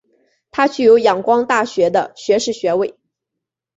他具有仰光大学的学士学位。